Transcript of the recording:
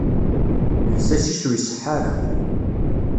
Lsas-is ur iṣeḥḥa ara.